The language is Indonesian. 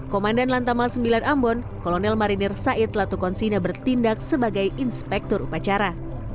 komandan lantamal sembilan ambon kolonel marinir said latukonsina bertindak sebagai inspektur upacara